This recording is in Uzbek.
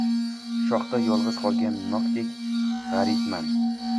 Shoxda yolgʻiz qolgan nokdek gʻaribman...